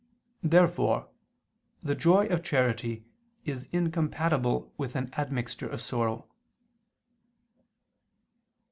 Therefore the joy of charity is incompatible with an admixture of sorrow.